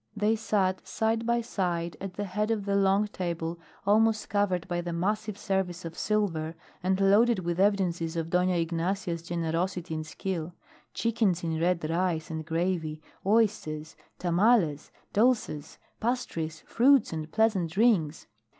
They sat side by side at the head of the long table almost covered by the massive service of silver and loaded with evidences of Dona Ignacia's generosity and skill; chickens in red rice and gravy, oysters, tamales, dulces, pastries, fruits and pleasant drinks.